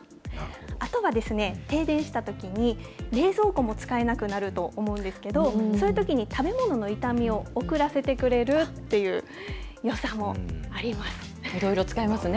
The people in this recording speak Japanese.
あとはですね、停電したときに、冷蔵庫も使えなくなると思うんですけど、そういうときに食べ物の傷みを遅らせてくれるっていうよさもありいろいろ使えますね。